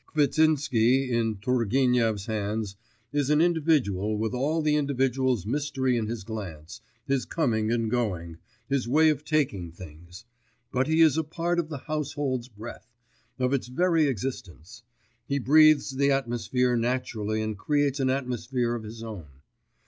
Kvitsinsky, in Turgenev's hands, is an individual with all the individual's mystery in his glance, his coming and going, his way of taking things; but he is a part of the household's breath, of its very existence; he breathes the atmosphere naturally and creates an atmosphere of his own.